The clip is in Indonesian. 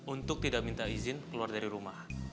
untuk tidak minta izin keluar dari rumah